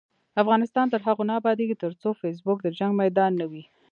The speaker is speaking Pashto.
افغانستان تر هغو نه ابادیږي، ترڅو فیسبوک د جنګ میدان نه وي.